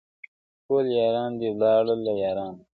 ه ټول ياران دې ولاړل له يارانو سره,